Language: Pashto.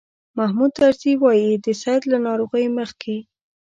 محمود طرزي وایي د سید له ناروغۍ مخکې.